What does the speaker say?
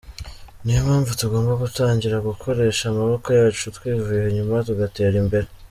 Niyo mpamvu tugomba gutangira gukoresha amaboko yacu twivuye inyuma tugatera imbere.